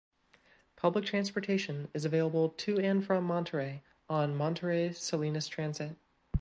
Public transportation is available to and from Monterey on Monterey–Salinas Transit.